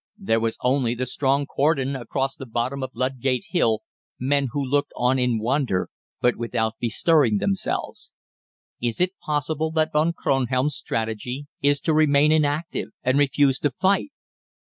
There was only the strong cordon across the bottom of Ludgate Hill, men who looked on in wonder, but without bestirring themselves. "Is it possible that Von Kronhelm's strategy is to remain inactive, and refuse to fight?